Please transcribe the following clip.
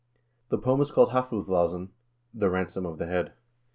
The poem is called " Hgfuolausn" (the ransom of the head).